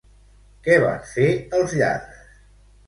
Què van fer els lladres?